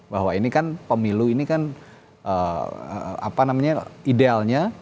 bahwa ini kan pemilu ini kan idealnya